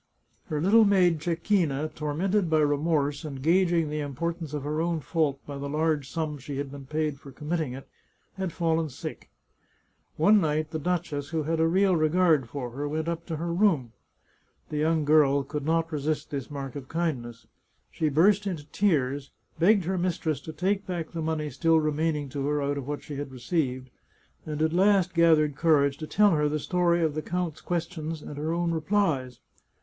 Her little maid Cecchina, tor mented by remorse and gauging the importance of her own fault by the large sum she had been paid for committing it, had fallen sick. One night the duchess, who had a real re gard for her, went up to her room. The young girl could not resist this mark of kindness. She burst into tears, begged her mistress to take back the money still remaining to her out of what she had received, and at last gathered courage to tell her the story of the count's questions and her own replies.